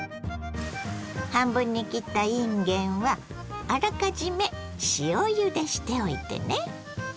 半分に切ったいんげんはあらかじめ塩ゆでしておいてね。